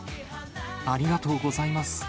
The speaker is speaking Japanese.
ありがとうございます。